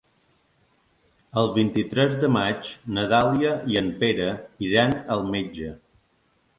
El vint-i-tres de maig na Dàlia i en Pere iran al metge.